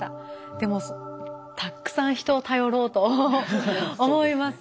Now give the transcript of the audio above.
でもたくさん人を頼ろうと思います。